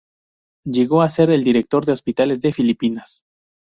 Llegó a ser el director de hospitales de Filipinas.